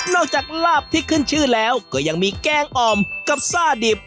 จากลาบที่ขึ้นชื่อแล้วก็ยังมีแกงอ่อมกับซ่าดิบ